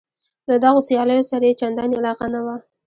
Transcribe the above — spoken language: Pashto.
له دغو سیالیو سره یې چندانې علاقه نه وه.